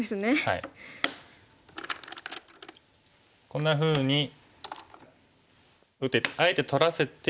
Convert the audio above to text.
こんなふうにあえて取らせて。